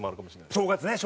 正月はね。